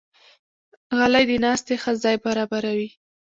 غلۍ د ناستې ښه ځای برابروي.